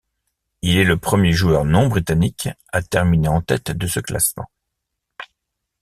Il est le premier joueur non britannique à terminer en tête de ce classement.